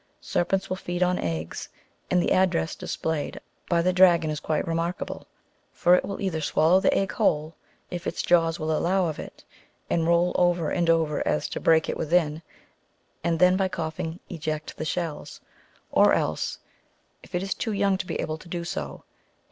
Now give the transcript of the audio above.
Serpents will feed on eggs, and the address displaye I by the dragon is quite remarkable. — For it will either swallow the egg whole, if its jaws will allow of it, and roll over anl over so as to break it within, and then by coughing eject the shells : or else, if it is too young to be able to do so, it will ^^ A species of origanum.